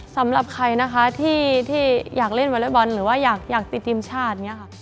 สำหรับใครนะคะที่อยากเล่นวอเล็กบอลหรือว่าอยากติดทีมชาติอย่างนี้ค่ะ